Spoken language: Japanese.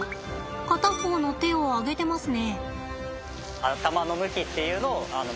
片方の手を上げてますね。